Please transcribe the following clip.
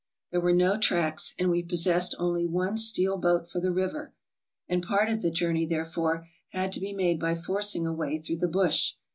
There were no tracks, and we possessed only one steel boat for the river, and part of the journey, therefore, had to be made by forcing a way through the bush.